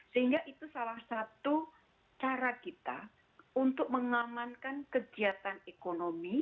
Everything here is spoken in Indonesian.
sehingga itu salah satu cara kita untuk mengamankan kegiatan ekonomi